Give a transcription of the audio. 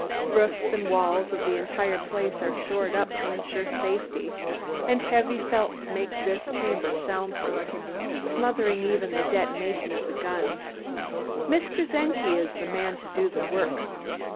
Roofs and walls of the entire place are shored up to insure safety, and heavy felts make this chamber sound proof, smothering even the detonation of the guns. Mr. Czenki is the man to do the work.